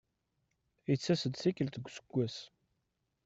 Ittas-d tikkelt deg useggas.